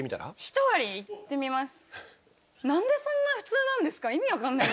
ひとアリいってみます。